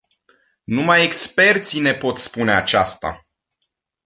Numai experții ne pot spune aceasta.